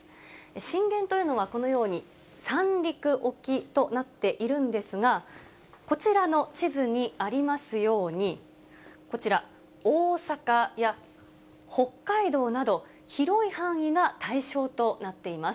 震源というのはこのように、三陸沖となっているんですが、こちらの地図にありますように、こちら、大阪や北海道など、広い範囲が対象となっています。